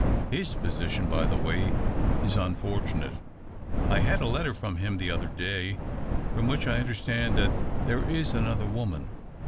His position, by the way, is unfortunate. I had a letter from him the other day, from which I under stand that there is another woman.